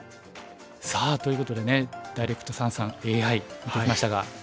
さあということでねダイレクト三々ＡＩ見てきましたが。